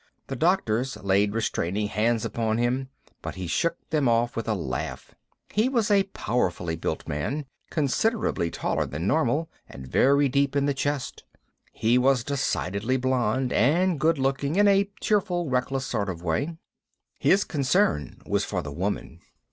The doctors laid restraining hands upon him, but he shook them off with a laugh. He was a powerfully built man, considerably taller than normal and very deep in the chest. He was decidedly blond, and good looking in a cheerful, reckless sort of way. His concern was for the woman.